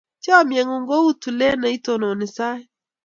Chomye ng'ung' kou tulet neitononi sait.